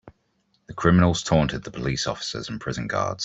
The criminals taunted the police officers and prison guards.